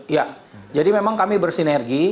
ya jadi memang kami bersinergi